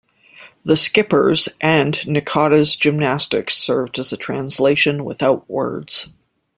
The skipper's and Nakata's gymnastics served as a translation without words.